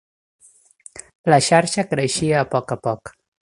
La xarxa creixia a poc a poc.